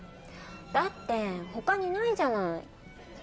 だって他にないじゃない。